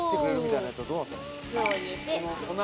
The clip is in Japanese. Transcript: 酢を入れて。